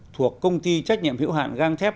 thuộc công ty trách nhiệm hiệu hạn găng thép